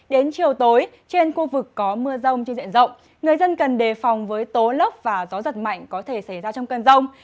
đến chiều tối trên khu vực có mưa rông trên diện rộng người dân cần đề phòng với tố lốc và gió giật mạnh có thể xảy ra trong cơn rông